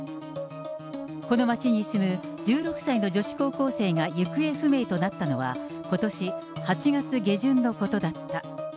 この町に住む１６歳の女子高校生が行方不明となったのは、ことし８月下旬のことだった。